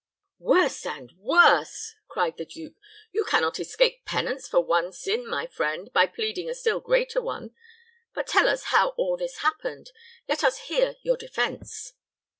"Worse and worse!" cried the duke; "you can not escape penance for one sin, my friend, by pleading a still greater one. But tell us how all this happened; let us hear your defense."